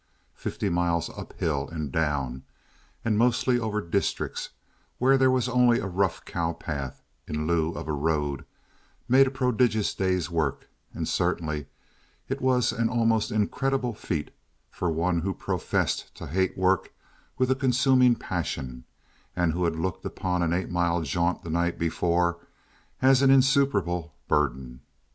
Fifty miles uphill and down and mostly over districts where there was only a rough cow path in lieu of a road made a prodigious day's work; and certainly it was an almost incredible feat for one who professed to hate work with a consuming passion and who had looked upon an eight mile jaunt the night before as an insuperable burden.